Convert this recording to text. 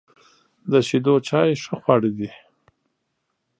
د شیدو چای ښه خواړه دي.